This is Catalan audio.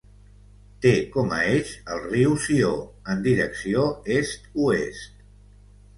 Té com a eix el riu Sió, en direcció est-oest.